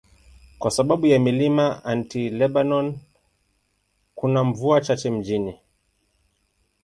Kwa sababu ya milima ya Anti-Lebanon, kuna mvua chache mjini.